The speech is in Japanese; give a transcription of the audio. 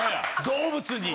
動物に。